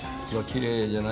きれい！